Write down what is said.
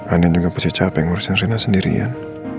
andien juga masih capek ngurusin reina sendirian